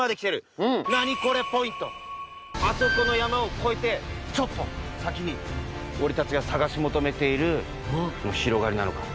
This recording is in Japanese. あそこの山を越えてちょっと先に俺たちが探し求めている広がりなのか？